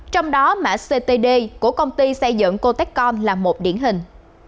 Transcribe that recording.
trong đó mã ctd của công ty xây dựng cotecom là một điển hình